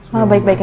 mama baik baik aja